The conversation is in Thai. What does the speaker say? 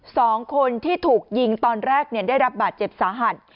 สองคนที่ถูกยิงตอนแรกเนี่ยได้รับบาดเจ็บสาหัส